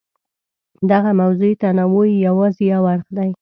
دغه موضوعي تنوع یې یوازې یو اړخ دی.